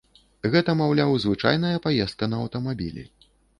Гэта, маўляў, звычайная паездка на аўтамабілі.